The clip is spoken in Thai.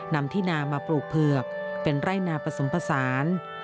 นำที่นามาปลูกเผือกเป็นไร่นาผสมผสาน